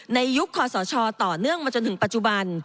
ในยุคคอสชต่อเนื่องมาจนถึงปัจจุบัน